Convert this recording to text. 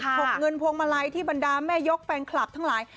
ฉกเงินพวงมาลัยที่บรรดาแม่ยกแฟนคลับทั้งหลาย